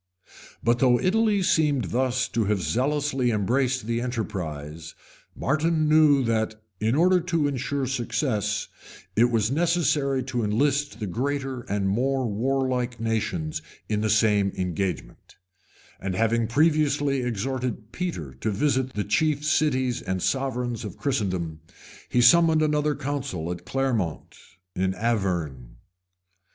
But though Italy seemed thus to have zealously embraced the enterprise, Martin knew that, in order to insure success, it was necessary to enlist the greater and more warlike nations in the same engagement; and having previously exhorted Peter to visit the chief cities and sovereigns of Christendom, he summoned another council at Clermont, in Auvergne.